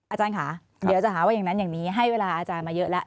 อาจารย์ค่ะเดี๋ยวจะหาว่าอย่างนั้นอย่างนี้ให้เวลาอาจารย์มาเยอะแล้ว